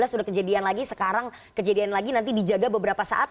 sudah kejadian lagi sekarang kejadian lagi nanti dijaga beberapa saat